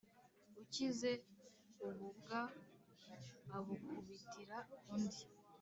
Ukize ububwa abukubitira undi.